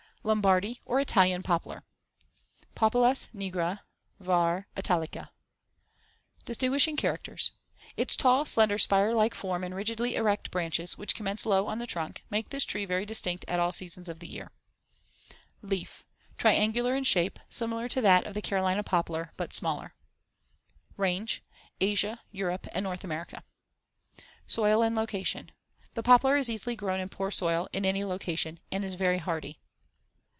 LOMBARDY OR ITALIAN POPLAR (Populus nigra, var. italica) Distinguishing characters: Its *tall, slender, spire like form* and rigidly *erect branches*, which commence low on the trunk, make this tree very distinct at all seasons of the year. See Fig. 39. Leaf: Triangular in shape, similar to that of the Carolina poplar but smaller, see Fig. 40. Range: Asia, Europe, and North America. Soil and location: The poplar is easily grown in poor soil, in any location, and is very hardy.